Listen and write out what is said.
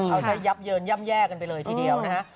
เอาซะยับเยินแย่มไปเลยทีเดียวนะคะ